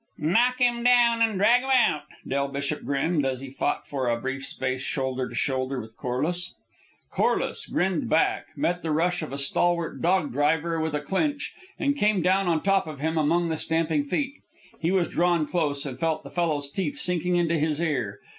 "Knock'm down an' drag'm out!" Del Bishop grinned, as he fought for a brief space shoulder to shoulder with Corliss. Corliss grinned back, met the rush of a stalwart dog driver with a clinch, and came down on top of him among the stamping feet. He was drawn close, and felt the fellow's teeth sinking into his ear.